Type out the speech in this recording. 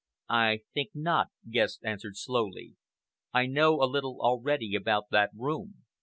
"I think not," Guest answered slowly. "I know a little already about that room.